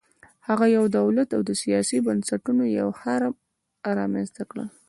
هغه یو دولت او د سیاسي بنسټونو یو هرم رامنځته کړل